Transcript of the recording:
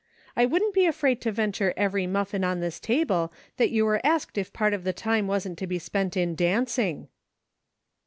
I wouldn't be afraid to venture every muffin on this table that you were asked if part of the time wasn't to be spent in dancing."